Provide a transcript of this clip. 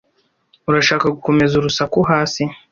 Urashaka gukomeza urusaku hasi?